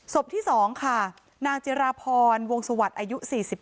ศพที่๒ค่ะนางจิราพรวงสวัสดิ์อายุ๔๘